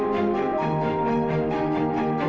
kalo sakitin perasaannya